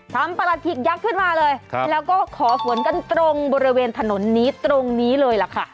ประหลัดถิกยักษ์ขึ้นมาเลยแล้วก็ขอฝนกันตรงบริเวณถนนนี้ตรงนี้เลยล่ะค่ะ